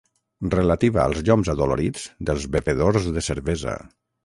Relativa als lloms adolorits dels bevedors de cervesa.